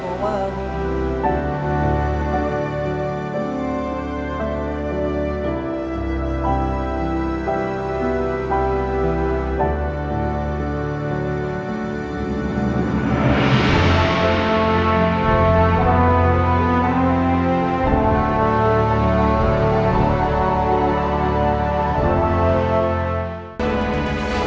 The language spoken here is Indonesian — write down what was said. bertemu dengan ultrasound tangan seperti ini